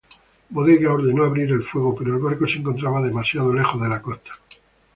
Bodega ordenó abrir fuego, pero el barco se encontraba demasiado lejos de la costa.